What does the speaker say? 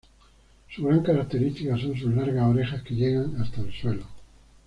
Su gran característica son sus largas orejas que llegan hasta el suelo.